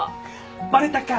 バレたか！